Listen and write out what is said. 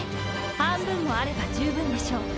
半分もあれば十分でしょう。